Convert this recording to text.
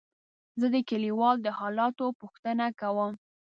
زه د کليوالو د حالاتو پوښتنه کوم.